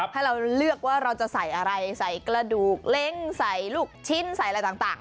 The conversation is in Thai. ให้เราเลือกว่าเราจะใส่อะไรใส่กระดูกเล้งใส่ลูกชิ้นใส่อะไรต่าง